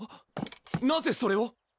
なぜそれを⁉